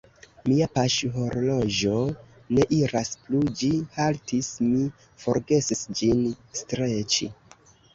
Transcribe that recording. Mia poŝhorloĝo ne iras plu, ĝi haltis; mi forgesis ĝin streĉi.